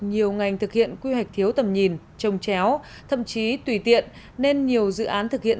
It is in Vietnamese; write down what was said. nhiều ngành thực hiện quy hoạch thiếu tầm nhìn trông chéo thậm chí tùy tiện nên nhiều dự án thực hiện